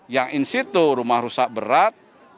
yang institu rumah rusak berat